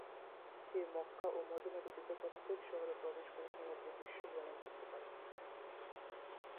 সে মক্কা ও মদিনা ব্যতীত প্রত্যেক শহরে প্রবেশ করে সমগ্র বিশ্ব ভ্রমণ করতে পারবে।